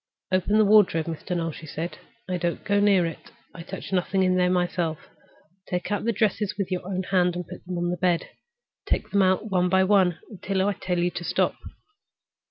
"Open the wardrobe, Mr. Noel," she said. "I don't go near it. I touch nothing in it myself. Take out the dresses with your own hand and put them on the bed. Take them out one by one until I tell you to stop."